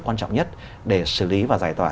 quan trọng nhất để xử lý và giải tỏa